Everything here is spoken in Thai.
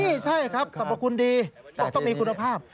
ใช่ครับสรรพคุณดีบอกต้องมีคุณภาพ